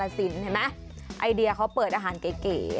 ไอเดียเขาเปิดอาหารเก๋นะ